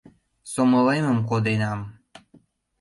Сомылемым коденам